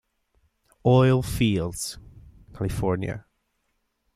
Oil Fields, Cal.